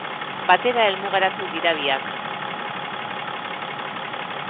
Batera helmugaratu dira biak.